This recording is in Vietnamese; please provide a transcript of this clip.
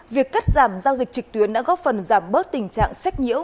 việc cắt giảm giao dịch trực tuyến đã góp phần giảm bớt tình trạng sách nhiễu